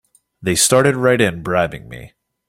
They started right in bribing me!